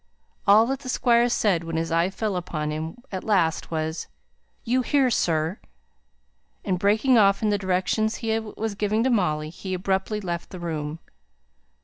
All that the Squire said when his eye fell upon him at last was, "You here, sir!" And, breaking off in the directions he was giving to Molly, he abruptly left the room.